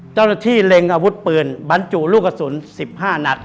เจ้าหน้าที่เล็งอาวุธปืนบรรจุลูกกระสุน๑๕นัด